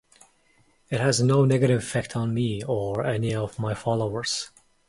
It has no negative effect on me or any of my followers.